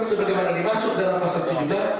sebagaimana dimaksud dalam pasal tujuh belas